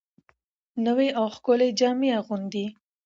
نوې او ښکلې جامې اغوندي